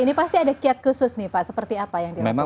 ini pasti ada kiat khusus nih pak seperti apa yang dilakukan